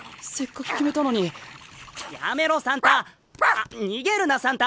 あっ逃げるなサンタ！